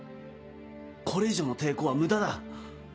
これ以上の抵抗は無駄だ。